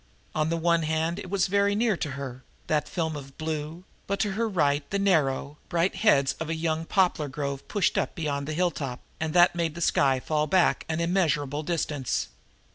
On the one hand it was very near to her, that film of blue, but to her right the narrow, bright heads of a young poplar grove pushed up beyond the hilltop, and that made the sky fall back an immeasurable distance.